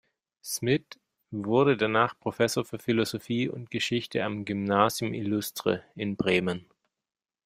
Smidt wurde danach Professor für Philosophie und Geschichte am "Gymnasium illustre" in Bremen.